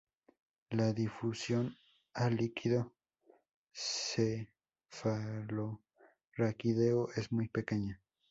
La difusión a líquido cefalorraquídeo es muy pequeña.